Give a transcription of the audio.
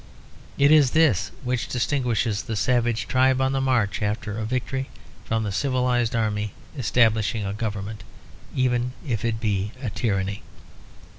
It is this which distinguishes the savage tribe on the march after a victory from the civilised army establishing a government, even if it be a tyranny.